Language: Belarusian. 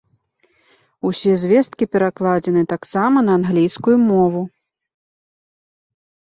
Усе звесткі перакладзены таксама на англійскую мову.